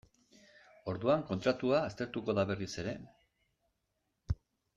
Orduan kontratua aztertuko da berriz ere?